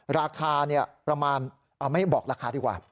ราคาประมาณไม่บอกราคาดีกว่า